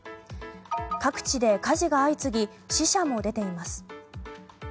各地で火事が相次ぎ死者も出ています。